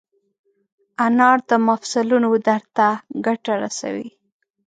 انار د مفصلونو درد ته ګټه رسوي.